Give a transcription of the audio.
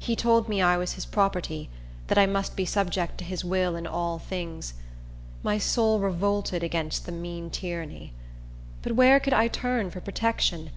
He told me I was his property; that I must be subject to his will in all things. My soul revolted against the mean tyranny. But where could I turn for protection?